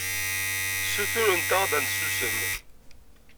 Ssutrent-aɣ-d ad nsusem.